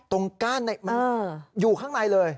ตรงก้านอยู่ข้างในเลย